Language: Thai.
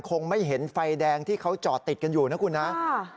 คงไม่เห็นไฟแดงที่เขาจอดติดกันอยู่นะคุณนะ